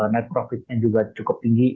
net profit nya juga cukup tinggi